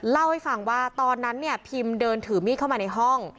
เล่าให้ฟังว่าตอนนั้นเนี่ยพิมเดินถือมีดเข้ามาในห้อง